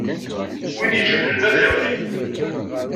Win ijehlen ad d-iɣli.